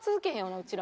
うちら。